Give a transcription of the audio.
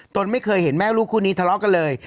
ตนไม่เคยเห็นแม่ลูกคู่นี้ทะเลาะกันเลย